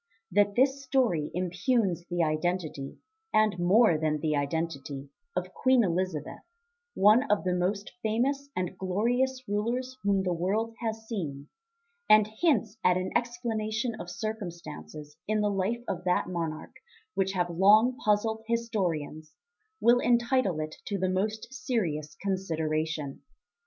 That this story impugns the identity and more than the identity of Queen Elizabeth, one of the most famous and glorious rulers whom the world has seen, and hints at an explanation of circumstances in the life of that monarch which have long puzzled historians, will entitle it to the most serious consideration.